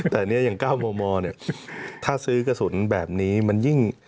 แต่เนี่ยอย่าง๙มมเนี่ยถ้าซื้อกระสุนแบบนี้มันยิ่ง